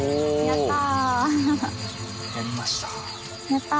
やった！